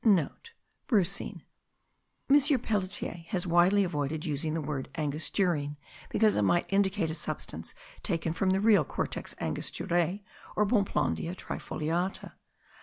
(* Brucine. M. Pelletier has wisely avoided using the word angosturine, because it might indicate a substance taken from the real Cortex angosturae, or Bonplandia trifoliata.